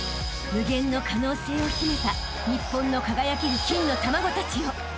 ［無限の可能性を秘めた日本の輝ける金の卵たちよ］